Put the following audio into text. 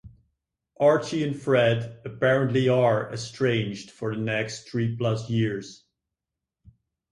Archie and Fred apparently are estranged for the next three-plus years.